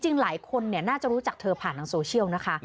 หลายคนน่าจะรู้จักเธอผ่านทางโซเชียลนะคะ